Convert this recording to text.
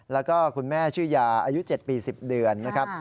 แล้วก็คุณแม่ชื่อยาอายุ๗ปี๑๐เดือนนะครับ